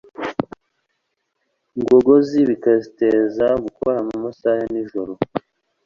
ngogozi, bikaziteza gukora no mu masaha ya nijoro.